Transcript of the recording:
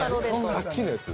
さっきのやつ？